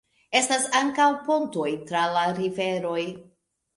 Estas ankaŭ pontoj tra la riveroj.